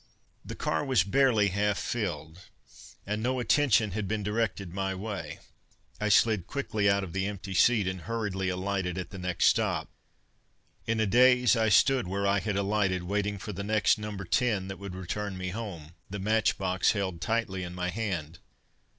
The car was barely half filled and no attention had been directed my way. I slid quickly out of the empty seat and hurriedly alighted at the next stop. In a daze, I stood where I had alighted waiting for the next No. 10 that would return me home, the matchbox held tightly in my hand.